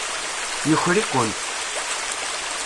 Yuker-ikent.